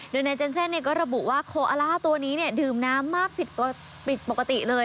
โดยนายเจนเซ่นก็ระบุว่าโคอาล่าตัวนี้ดื่มน้ำมากผิดปกติเลย